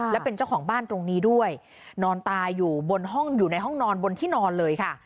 และเป็นเจ้าของบ้านตรงนี้ด้วยนอนตายอยู่บนห้องอยู่ในห้องนอนบนที่นอนเลยค่ะ